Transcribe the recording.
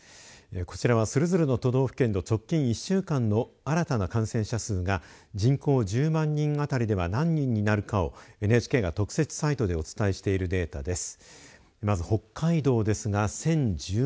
こちらはそれぞれの都道府県の直近１週間の新たな感染者数が人口１０万人当たりでは何人になるかをＮＨＫが特設サイトでお伝えしているデータです。